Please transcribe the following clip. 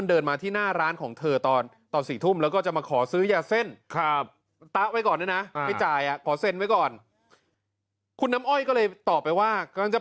เอาไปไปเลยครับไปฆ่าเลยครับ